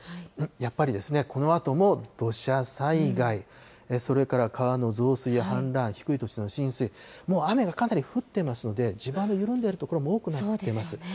やっぱりですね、このあとも土砂災害、それから川の増水や氾濫、低い土地の浸水、もう雨がかなり降ってますので、地盤が緩んでいる所も多くなっています。